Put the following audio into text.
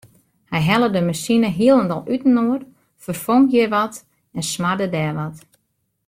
Hy helle de masine hielendal útinoar, ferfong hjir wat en smarde dêr wat.